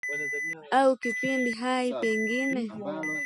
au kipo hai pengine